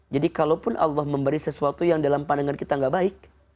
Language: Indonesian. jadi kalaupun allah memberi sesuatu yang dalam pandangan kita gak baik